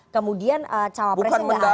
kemudian calon presiden gak ada